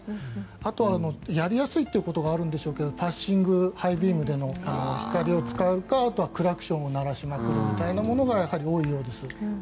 あとは、やりやすいということがあるんでしょうけどパッシング、ハイビームでの光を使うかあとはクラクションを鳴らしまくるみたいなのが多いみたいです。